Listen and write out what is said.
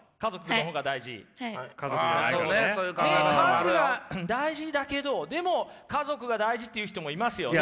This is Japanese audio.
数は大事だけどでも家族が大事っていう人もいますよね。